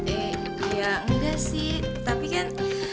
eh ya enggak sih tapi kan